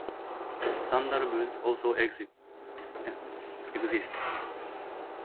Sandal boots also exist.